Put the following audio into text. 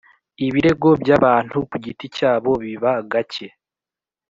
Ibirego by’ abantu ku giti cyabo biba gake.